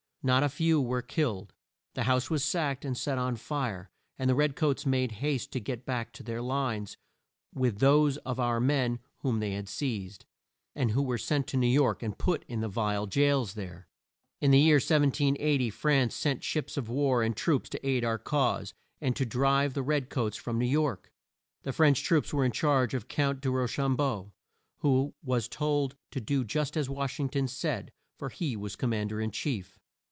Not a few were killed. The house was sacked and set on fire, and the red coats made haste to get back to their lines with those of our men whom they had seized, and who were sent to New York and put in the vile jails there. In the year 1780, France sent ships of war and troops to aid our cause, and to drive the red coats from New York. The French troops were in charge of Count de Ro cham beau, who was told to do just as Wash ing ton said; for he was Com mand er in chief.